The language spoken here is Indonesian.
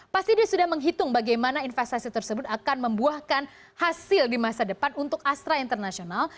pasti dia sudah menghitung bagaimana investasi tersebut akan membuahkan hasil di masa depan untuk astra international